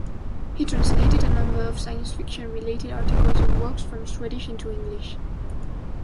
He translated a number of science-fiction-related articles and works from Swedish into English.